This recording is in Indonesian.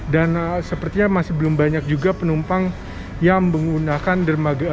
dan sepertinya masih belum banyak juga penumpang yang menggunakan dermaga